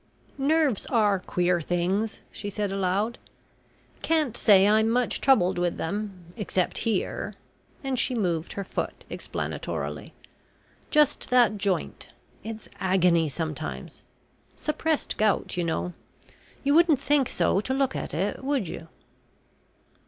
"Nerves are queer things," she said aloud. "Can't say I'm much troubled with them, except here," and she moved her foot explanatorily. "Just that joint. It's agony sometimes. Suppressed gout, you know. You wouldn't think so to look at it, would you?"